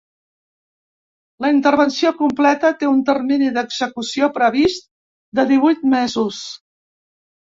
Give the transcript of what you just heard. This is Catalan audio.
La intervenció completa té un termini d’execució previst de divuit mesos.